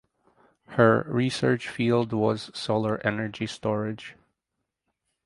Her research field was solar energy storage.